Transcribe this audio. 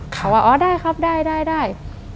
เขาว่าอ๋อได้ครับได้ได้